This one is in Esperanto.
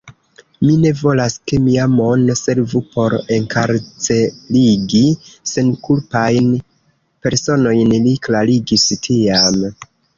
Mi ne volas, ke mia mono servu por enkarcerigi senkulpajn personojn, li klarigis tiam.